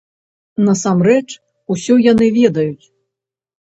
Насамрэч усё яны ведаюць.